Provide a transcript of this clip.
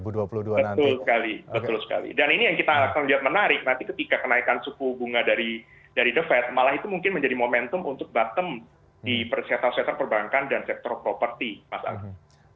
betul sekali betul sekali dan ini yang kita akan lihat menarik nanti ketika kenaikan suku bunga dari the fed malah itu mungkin menjadi momentum untuk bottom di sektor sektor perbankan dan sektor properti mas agus